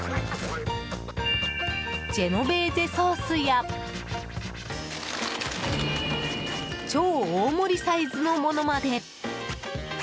ジェノベーゼソースや超大盛りサイズのものまで！